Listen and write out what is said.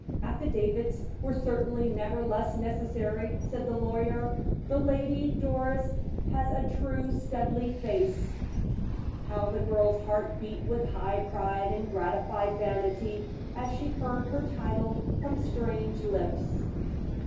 "Affidavits were certainly never less necessary," said the lawyer "the Lady Doris has a true Studleigh face." How the girl's heart beat with high pride and gratified vanity as she heard her title from strange lips!